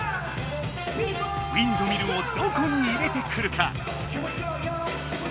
ウインドミルをどこに入れてくるか。